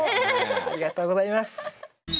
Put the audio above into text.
ありがとうございます。